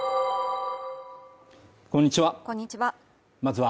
こんにちは